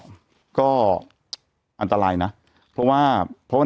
แต่หนูจะเอากับน้องเขามาแต่ว่า